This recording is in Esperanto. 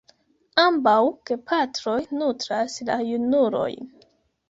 Ambaŭ gepatroj nutras la junulojn.